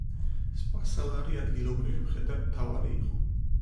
სპასალარი ადგილობრივი მხედართმთავარი იყო.